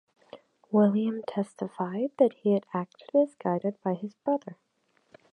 William testified that he had acted as guided by his brother.